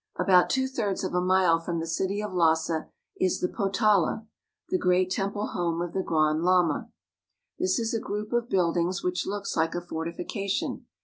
About two thirds of a mile from the city of Lassa is the Potala, the great temple home of the Grand Lama. This is a group of buildings which looks like a fortifica tion.